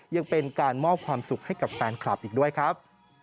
ยังเป็นการมอบความสุขให้กับแฟนคลับอีกด้วยครับ